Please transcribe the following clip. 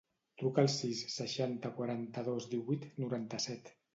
Truca al sis, seixanta, quaranta-dos, divuit, noranta-set.